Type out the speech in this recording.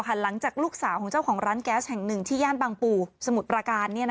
หลังจากลูกสาวของเจ้าของร้านแก๊สแห่งหนึ่งที่ย่านบางปู่สมุทรประการ